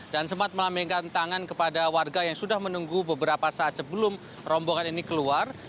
dan sempat melambengkan tangan kepada warga yang sudah menunggu beberapa saat sebelum rombongan ini keluar